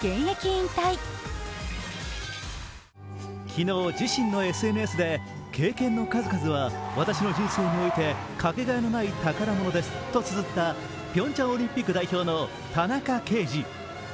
昨日、自身のＳＮＳで経験の数々は私の人生においてかけがえのない宝物ですとつづったピョンチャンオリンピック代表の田中刑事。